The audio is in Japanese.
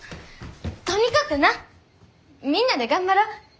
とにかくなみんなで頑張ろう。